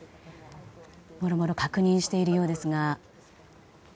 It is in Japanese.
もろもろ確認しているようです。